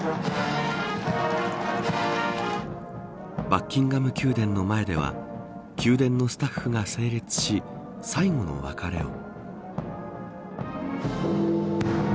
バッキンガム宮殿の前では宮殿のスタッフが整列し最後の別れを。